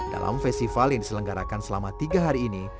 dalam festival yang diselenggarakan selama tiga hari ini